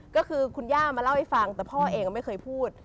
ก็คือคุณย่ามาเล่าให้ฟังแต่พ่อเองไม่เคยพูด